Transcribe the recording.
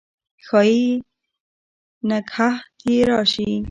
ښايي نګهت یې راشي